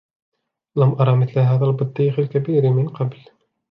لم أرى مثل هذا البطيخ الكبير من قبل.